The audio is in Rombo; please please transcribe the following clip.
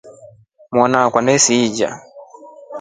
Mwana akwa aliishira.